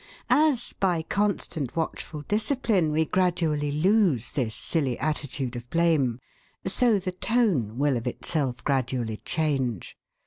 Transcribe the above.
As, by constant watchful discipline, we gradually lose this silly attitude of blame, so the tone will of itself gradually change.